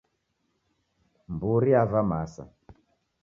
Mburi yava masa.